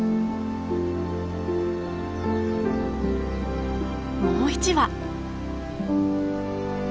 もう１羽。